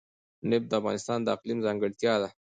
نفت د افغانستان د اقلیم ځانګړتیا ده.